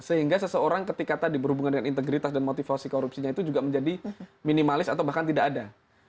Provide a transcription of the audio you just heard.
sehingga seseorang ketika tadi berhubungan dengan integritas dan motivasi korupsinya itu juga menjadi minimalis atau bahkan tidak ada